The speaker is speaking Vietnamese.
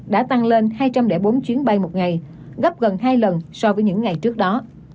đã tăng lên hai trăm linh bốn chuyến bay một ngày gấp gần hai lần so với những ngày trước đó